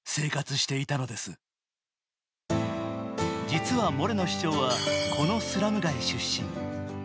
実はモレノ市長はこのスラム街出身。